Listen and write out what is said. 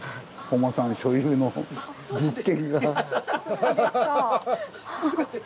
そうなんですか！